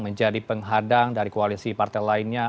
menjadi penghadang dari koalisi partai lainnya